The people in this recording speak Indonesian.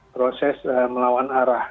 proses melawan arah